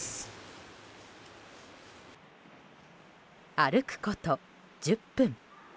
歩くこと１０分。